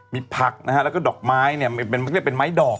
มีผักนะฮะแล้วก็ดอกไม้เนี่ยเรียกเป็นไม้ดอก